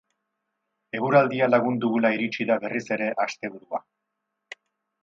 Eguraldia lagun dugula iritsi da berriz ere asteburua.